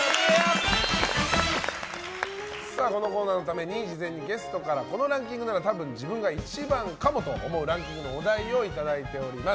このコーナーのために事前にゲストからこのランキングならたぶん自分が１番かもと思うお題をいただいております。